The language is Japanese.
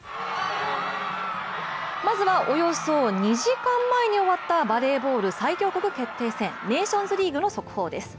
まずは、およそ２時間前に終わったバレーボール最強国決定戦ネーションズリーグの速報です。